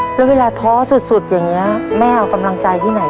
แล้วเวลาท้อสุดมันอาจกลายปังตตาที่ไหน